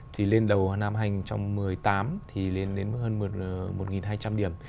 thì lên đầu năm hai nghìn một mươi tám thì lên đến hơn một hai trăm linh điểm